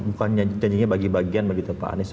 bukan janjinya bagi bagian begitu pak anies